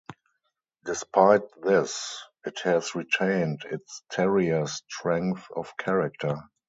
Despite this, it has retained its terrier strength of character.